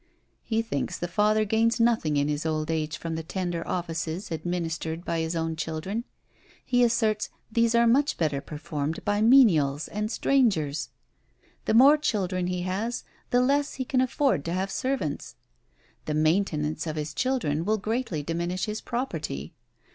He thinks the father gains nothing in his old age from the tender offices administered by his own children: he asserts these are much better performed by menials and strangers! The more children he has, the less he can afford to have servants! The maintenance of his children will greatly diminish his property!